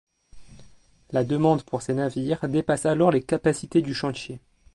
La demande pour ces navires dépasse alors les capacités du chantier.